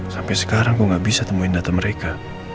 sampai sekarang gue gak bisa temuin data mereka